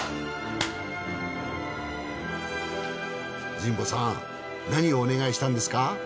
神保さん何をお願いしたんですか？